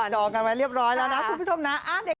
จองกันไว้เรียบร้อยแล้วนะคุณผู้ชมนะ